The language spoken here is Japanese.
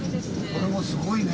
これもすごいね。